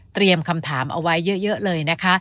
เตรียมคำถามเอาไว้เยอะเลยนะคะ